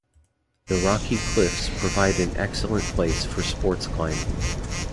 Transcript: The rocky cliffs provide an excellent place for sports climbing.